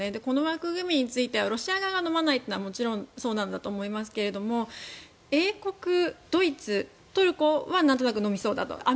この枠組みについてはロシア側がのまないのはもちろんそうなんだと思いますが英国、ドイツ、トルコはなんとなくのみそうだと。